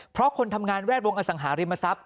เพราะคนทำงานแวดวงอสังหาริมทรัพย